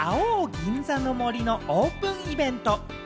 銀座の森のオープンイベント。